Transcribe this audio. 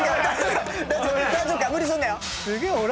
大丈夫か⁉無理すんなよ。